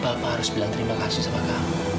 bapak harus bilang terima kasih sama kamu